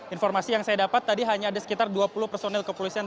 informasi yang saya dapat tadi hanya ada sekitar dua puluh personil kepolisian